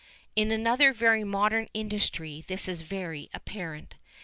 In another very modern industry this is very apparent.